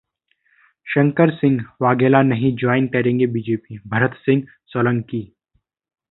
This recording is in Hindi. शंकरसिंह वाघेला नहीं ज्वाइन करेंगे बीजेपी: भरत सिंह सोलंकी